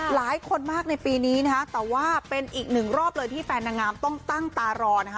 หลายคนมากในปีนี้นะคะแต่ว่าเป็นอีกหนึ่งรอบเลยที่แฟนนางงามต้องตั้งตารอนะคะ